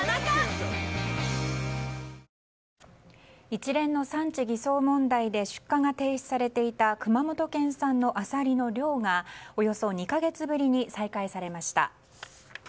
一連の産地偽装問題で出荷が停止されていた熊本県産のアサリの漁がおよそ２か月ぶりに再開されました。